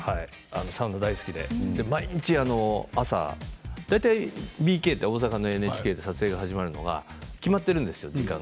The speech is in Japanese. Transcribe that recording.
サウナ大好きで毎日、朝大体、ＢＫという大阪のＮＨＫ撮影始まるのが決まっているんですよ。